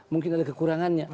mungkin ada kekurangannya